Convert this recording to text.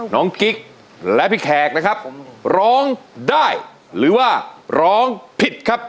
กิ๊กและพี่แขกนะครับร้องได้หรือว่าร้องผิดครับ